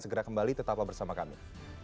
segera kembali tetaplah bersama kami